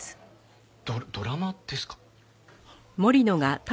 ドラマですか？